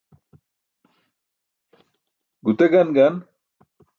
gute gan gan